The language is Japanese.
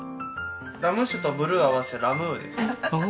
ラム酒とブルーを合わせて「ラ・ムー」です。